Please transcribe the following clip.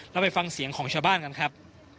เราไปฟังเสียงของชาวบ้านกันครับ